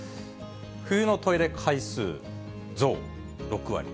冬のトイレ回数増、６割。